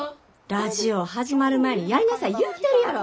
ラジオ始まる前にやりなさい言うてるやろ！